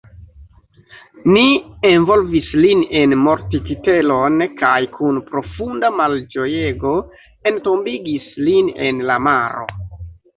Ni envolvis lin en mortkitelon, kaj kun profunda malĝojego, entombigis lin en la maro.